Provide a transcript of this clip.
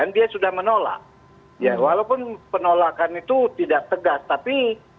dia sudah menolak walaupun penolakan itu tidak tegas tapi